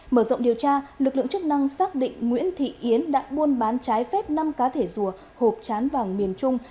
mở rộng điều tra lực lượng chức năng xác định nguyễn thị yến đã buôn bán trái phép năm cá thể rùa hộp chán vàng miền trung